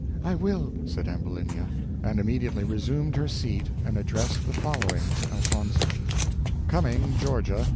"I will," said Ambulinia, and immediately resumed her seat and addressed the following to Elfonzo: Cumming, Ga.